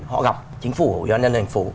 họ gặp chính phủ hội doanh nhân thành phố